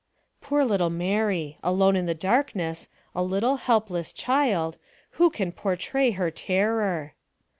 Poor little Mary! alone in the wilderness, a little, helpless child ; who can portray her terror